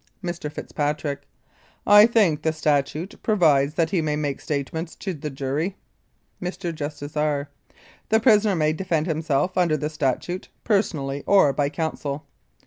Mr. FITZPATRICK: I think the statute provides that he may make statements to the jury. Mr. JUSTICE R. : The prisoner may defend himself under the statute, personally or by counsel.